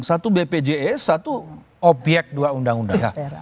satu bpjs satu obyek dua undang undang